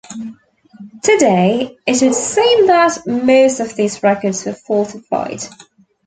Today it would seem that most of these records were falsified.